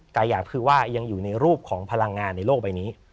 แต่อย่างคือว่ายังอยู่ในรูปของพลังงานในโลกใบนี้